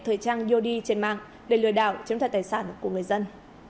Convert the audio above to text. trang yodi trên mạng để lừa đảo chiếm đoạt tài sản của người dân